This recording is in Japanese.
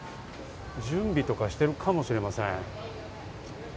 準備とかしてるかもしれません。